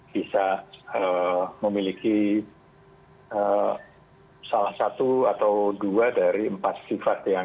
bisa memiliki salah satu atau dua dari empat sifat yang